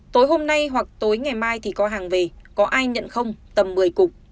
tối hôm nay hoặc tối ngày mai thì có hàng về có ai nhận không tầm một mươi cục